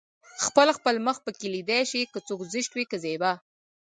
خپل خپل مخ پکې ليده شي که څوک زشت وي که زيبا